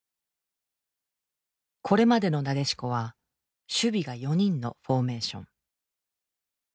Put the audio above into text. これまでのなでしこは守備が４人のフォーメーション。